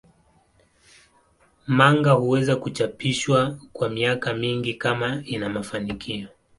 Manga huweza kuchapishwa kwa miaka mingi kama ina mafanikio.